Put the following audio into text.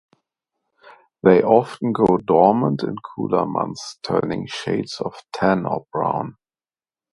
They often go dormant in cooler months, turning shades of tan or brown.